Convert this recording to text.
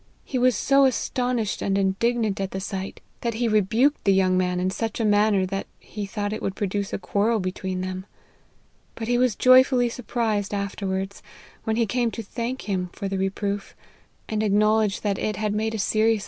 He was so astonished and indignant at the sight, that he rebuked the young man in such a manner that he thought it would produce a quarrel between them. But he was joyfully surprised after wards, when he came to thank him lor the reproof, and acknowledge that it had made a serious im LIFE OF HENRY MARTYX.